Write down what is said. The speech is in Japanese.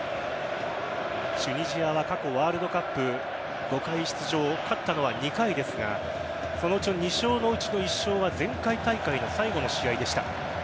チュニジアは過去ワールドカップ５回出場勝ったのは２回ですがそのうちの２勝のうちの１勝は前回大会の最後の試合でした。